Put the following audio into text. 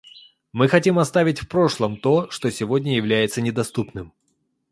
Мы хотим оставить в прошлом то, что сегодня является недоступным.